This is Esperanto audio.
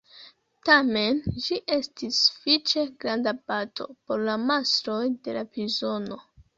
Tamen, ĝi estis sufiĉe granda bato por la mastroj de la prizono.